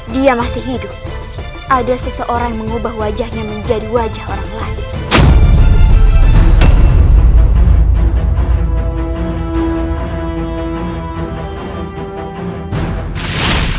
dia masih hidup ada seseorang yang mengubah wajahnya menjadi wajah orang lain